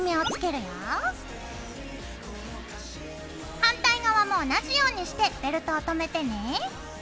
反対側も同じようにしてベルトをとめてね。